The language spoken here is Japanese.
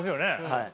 はい。